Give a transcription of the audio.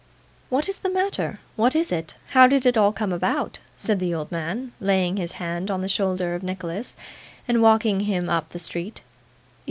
'What's the matter? What is it? How did it all come about?' said the old man, laying his hand on the shoulder of Nicholas, and walking him up the street.